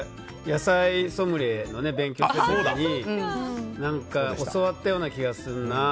野菜ソムリエの勉強した時に教わったような気がするな。